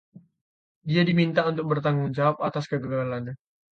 Dia diminta untuk bertanggung jawab atas kegagalannya.